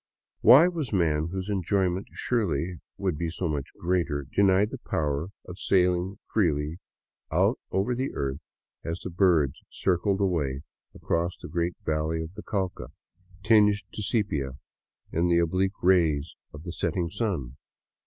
Why was man, whose enjoyment surely would be so much greater, denied the power of sailing freely out over the earth, as the birds circled away across the great valley of the Cauca, tinged to sepia in the oblique rays of the setting sun?